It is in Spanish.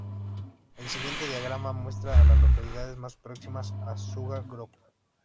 El siguiente diagrama muestra a las localidades más próximas a Sugar Grove.